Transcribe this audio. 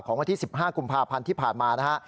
วันที่๑๕กุมภาพันธ์ที่ผ่านมานะฮะ